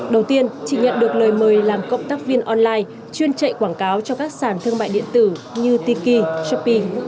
đầu tiên chị nhận được lời mời làm cộng tác viên online chuyên chạy quảng cáo cho các sản thương mại điện tử như tiki shopee